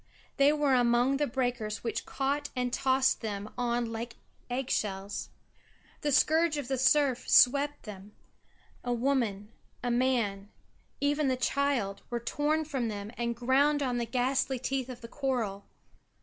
They were among the breakers which caught and tossed them on like eggshells. The scourge of the surf swept them; a woman, a man even the child, were torn from them and ground on the ghastly teeth of the coral.